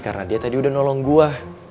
karena dia tadi udah nolong gue